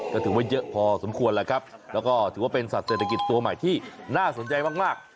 ก็ถือว่าเยอะพอสมควรแล้วครับแล้วก็ถือว่าเป็นสัตว์เศรษฐกิจตัวใหม่ที่น่าสนใจมาก